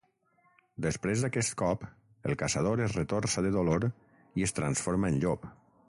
Després d'aquest cop, el caçador es retorça de dolor i es transforma en llop.